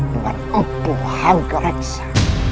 dengan empu angga reksa